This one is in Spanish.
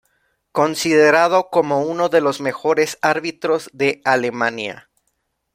Considerado como uno de los mejores árbitros de Alemania.